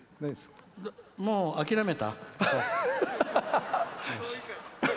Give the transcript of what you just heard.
もう諦めた？